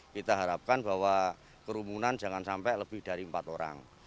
kita harapkan bahwa kerumunan jangan sampai lebih dari empat orang